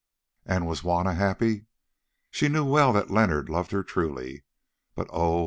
And was Juanna happy? She knew well that Leonard loved her truly; but oh!